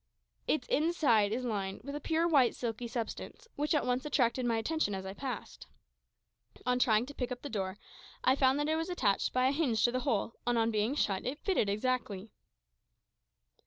Its inside is lined with a pure white silky substance, which at once attracted my attention as I passed. On trying to pick up the door, I found that it was attached by a hinge to the hole, and on being shut it fitted exactly.